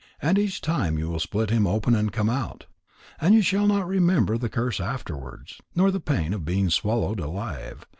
And each time you will split him open and come out. And you shall not remember the curse afterwards, nor the pain of being swallowed alive.